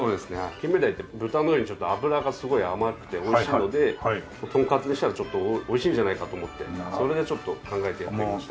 金目鯛って豚のように脂がすごい甘くて美味しいのでトンカツにしたら美味しいんじゃないかと思ってそれでちょっと考えてやってみました。